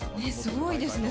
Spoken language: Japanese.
すごいですね。